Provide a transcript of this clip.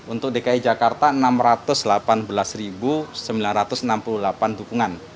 untuk dki jakarta enam ratus delapan belas sembilan ratus enam puluh delapan dukungan